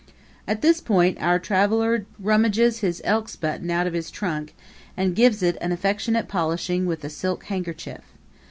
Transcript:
At this point, our traveler rummages his Elks' button out of his trunk and gives it an affectionate polishing with a silk handkerchief.